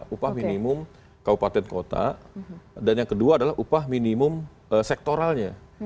upah minimum kabupaten kota dan yang kedua adalah upah minimum sektoralnya